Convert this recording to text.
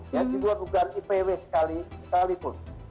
yang kedua dugaan ipw sekalipun